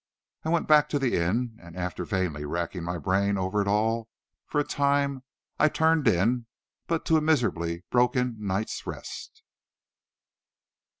I went back to the inn, and, after vainly racking my brain over it all for a time, I turned in, but to a miserably broken night's rest.